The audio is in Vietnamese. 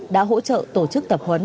đã hỗ trợ tổ chức tập huấn